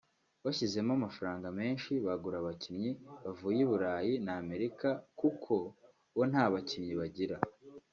Bashyizemo amafaranga menshi bagura abakinnyi bavuye i Bulayi na Amerika kuko bo nta bakinnyi bagira